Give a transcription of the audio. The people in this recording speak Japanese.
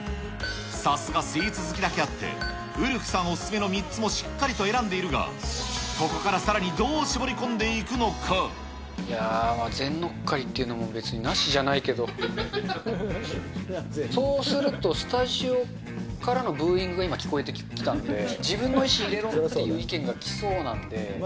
さすがスイーツ好きだけあって、ウルフさんお勧めの３つもしっかり選んでいるが、ここからさらにいやー、全乗っかりっていうのも別になしじゃないけど、そうすると、スタジオからのブーイングが今、聞こえてきたんで、自分の意思でっていう意見が来そうなんで。